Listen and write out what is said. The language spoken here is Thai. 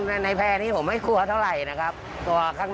ถ้าในแพร่นี้ผมไม่กลัวเท่าไหร่ตกว่าข้างนอกมากกว่า